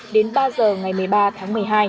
đến ba giờ ngày một mươi ba tháng một mươi hai